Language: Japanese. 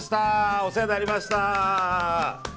お世話になりました。